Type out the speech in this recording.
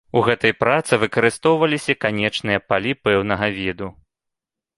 У гэтай працы выкарыстоўваліся канечныя палі пэўнага віду.